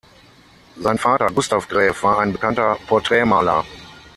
Sein Vater Gustav Graef war ein bekannter Porträtmaler.